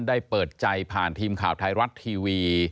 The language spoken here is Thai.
เปิดใจผ่านทีมข่าวไทยรัฐทีวี